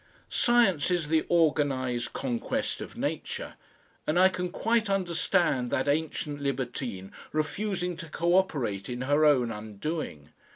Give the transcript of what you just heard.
Science is the organised conquest of Nature, and I can quite understand that ancient libertine refusing to co operate in her own undoing.